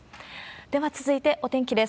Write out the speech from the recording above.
では続いてお天気です。